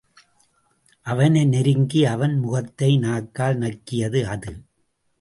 அவனை நெருங்கி அவன் முகத்தை நாக்கால் நக்கியது அது.